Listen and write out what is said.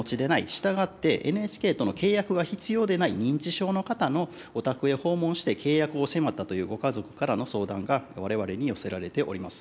したがって、ＮＨＫとの契約が必要でない認知症の方のお宅へ訪問して、契約を迫ったというご家族からの相談が、われわれに寄せられております。